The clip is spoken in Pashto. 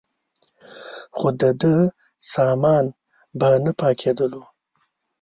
خو دده سامان به نه پاکېدلو.